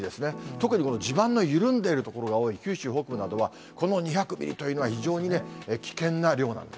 特にこの地盤の緩んでいる所が多い九州北部などは、この２００ミリというのは、非常に危険な量なんです。